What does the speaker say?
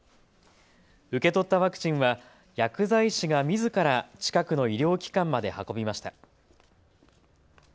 受け取ったワクチンは薬剤師がみずから近くの医療機関まで運びました。